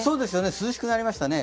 涼しくなりましたね。